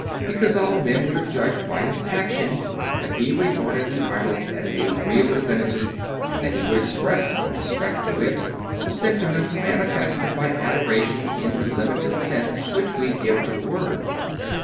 Because all men would have judged by his action that he regarded the idol as a real Divinity and that he would express, in respect to it, the sentiments manifested by adoration in the limited sense which we give to the word.